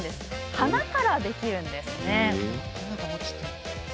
花からできるんです。